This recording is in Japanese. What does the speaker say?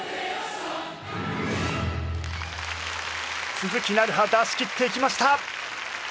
鈴木菜巴出しきっていきました！